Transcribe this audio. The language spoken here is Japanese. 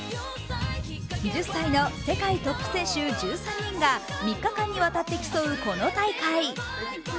１０歳の世界トップ選手１３人が３日間にわたって競うこの大会。